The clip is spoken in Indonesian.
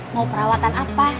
mau perawatan apa